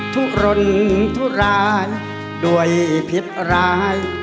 ทุรนทุรานด้วยผิดร้าย